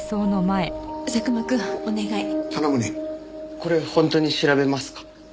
これ本当に調べますか？